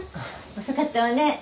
遅かったわね。